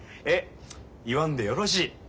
言わんでよろしい。